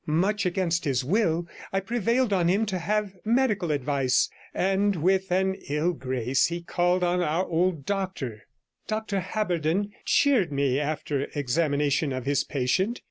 Much against his will, I prevailed on him to have medical advice, and with an ill grace he called in our old doctor. Dr Haberden cheered me after examination of his patient.